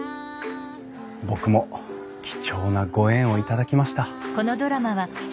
僕も貴重なご縁を頂きました。